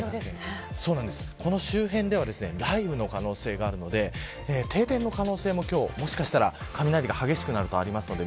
この周辺では雷雨の可能性があるので停電の可能性ももしかしたら雷が激しくなる可能性あります。